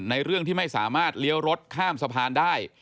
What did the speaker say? เรื่องที่ไม่สามารถเลี้ยวรถข้ามสะพานได้